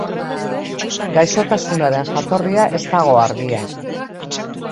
Gaixotasunaren jatorria ez dago argia.